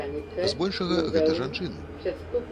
З большага гэта жанчыны!